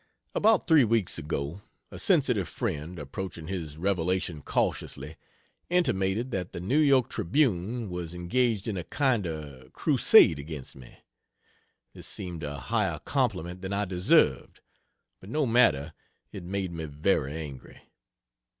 About three weeks ago, a sensitive friend, approaching his revelation cautiously, intimated that the N. Y. Tribune was engaged in a kind of crusade against me. This seemed a higher compliment than I deserved; but no matter, it made me very angry.